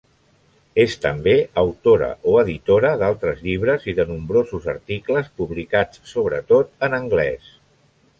És també autora o editora d’altres llibres i de nombrosos articles publicats sobretot en anglés.